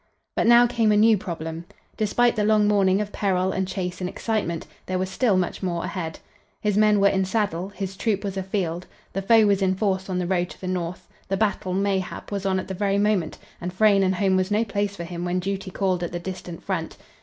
But now came a new problem. Despite the long morning of peril and chase and excitement, there was still much more ahead. His men were in saddle; his troop was afield; the foe was in force on the road to the north; the battle, mayhap, was on at the very moment, and Frayne and home was no place for him when duty called at the distant front.